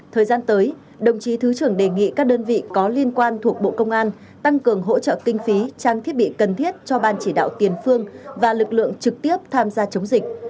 thời gian tới đồng chí thứ trưởng đề nghị các đơn vị có liên quan thuộc bộ công an tăng cường hỗ trợ kinh phí trang thiết bị cần thiết cho ban chỉ đạo tiền phương và lực lượng trực tiếp tham gia chống dịch